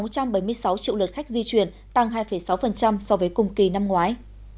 sáu trăm bảy mươi sáu triệu lượt khách di chuyển tăng hai sáu so với cùng kỳ năm ngoái